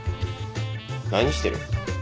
何してる？